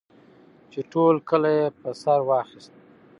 چې ټول کلی یې په سر واخیست.